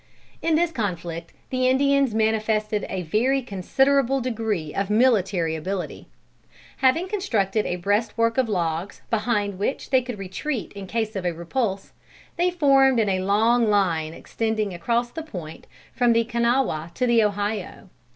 In this conflict the Indians manifested a very considerable degree of military ability. Having constructed a breastwork of logs, behind which they could retreat in case of a repulse, they formed in a long line extending across the point from the Kanawha to the Ohio.